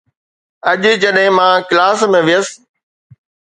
اڄ جڏهن مان ڪلاس ۾ ويس